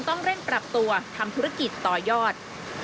ประกอบกับต้นทุนหลักที่เพิ่มขึ้น